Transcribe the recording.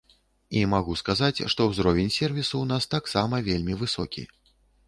І магу сказаць, што ўзровень сервісу ў нас таксама вельмі высокі.